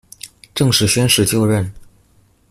正式宣誓就任